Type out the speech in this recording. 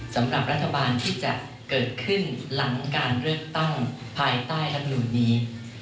สำหรับรัฐบาลที่จะเกิดขึ้นหลังการเลือกตั้งภายใต้รัฐมนุนนี้